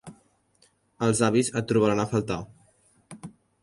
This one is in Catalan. Els avis et trobaran a faltar.